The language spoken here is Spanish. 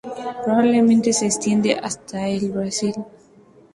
Probablemente se extiende hasta el Brasil.